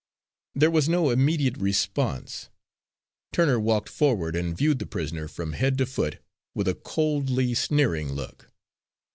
There was no immediate response. Turner walked forward and viewed the prisoner from head to foot with a coldly sneering look.